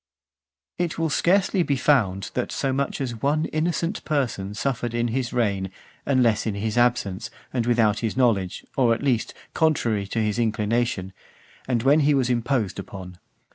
XV. It will scarcely be found, that so much as one innocent person suffered in his reign, unless in his absence, and without his knowledge, or, at least, contrary to his inclination, and when he was imposed upon.